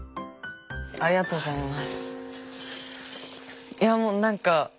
ありがとうございます。